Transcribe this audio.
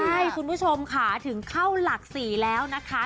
ใช่คุณผู้ชมค่ะถึงเข้าหลัก๔แล้วนะคะ